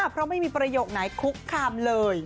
เพราะไม่มีประโยคไหนคุกคามเลย